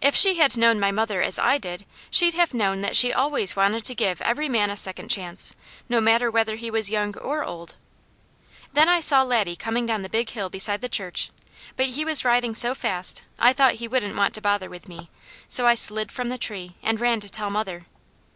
If she had known my mother as I did, she'd have known that she ALWAYS wanted to give every man a second chance, no matter whether he was young or old. Then I saw Laddie coming down the Big Hill beside the church, but he was riding so fast I thought he wouldn't want to bother with me, so I slid from the tree, and ran to tell mother.